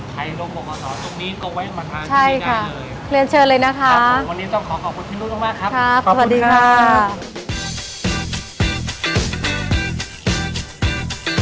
ใครรู้ปกศตรงนี้ก็ไว้มาทางที่นี่ได้เลย